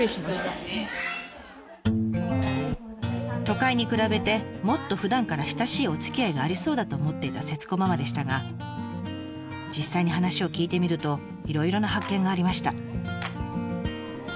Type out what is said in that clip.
都会に比べてもっとふだんから親しいおつきあいがありそうだと思っていた節子ママでしたが実際に話を聞いてみるといろいろな発見がありました。